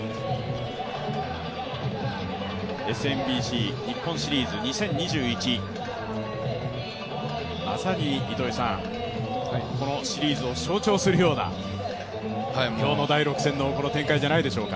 ＳＭＢＣ日本シリーズ２０２１、まさにこのシリーズを象徴するような今日の第６戦の展開じゃないでしょうか。